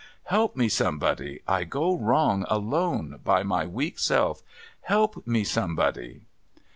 Help me, somebody ! I go wrong, alone by my weak self ! Help me, anybody